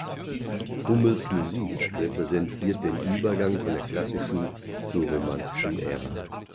Hummels Musik repräsentiert den Übergang von der klassischen zur romantischen Ära.